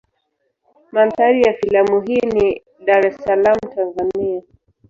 Mandhari ya filamu hii ni Dar es Salaam Tanzania.